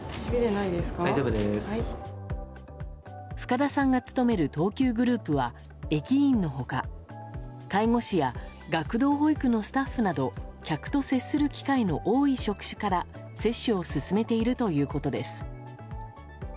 深田さんが勤める東急グループは駅員の他、介護士や学童保育のスタッフなど客と接する機会の多い職種から接種を進めているということです。